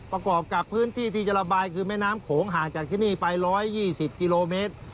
ประกอบกับพื้นที่ที่จะระบายคือแม่น้ำโขงห่างจากที่นี่ไป๑๒๐กิโลเมตร